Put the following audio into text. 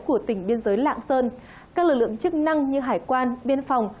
của tỉnh biên giới lạng sơn các lực lượng chức năng như hải quan biên phòng